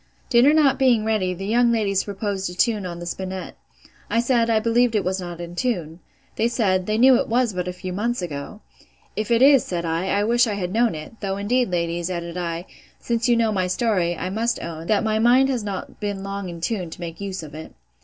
Dinner not being ready, the young ladies proposed a tune upon the spinnet. I said, I believed it was not in tune. They said, they knew it was but a few months ago. If it is, said I, I wish I had known it; though indeed, ladies, added I, since you know my story, I must own, that my mind has not been long in tune, to make use of it.